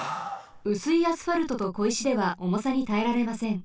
うすいアスファルトとこいしではおもさにたえられません。